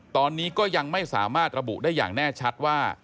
ตอนนี้ก็ยังไม่สามารถระบุได้อย่างแน่ชัดว่า